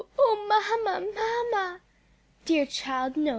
Oh mamma, mamma!" "Dear child, no!"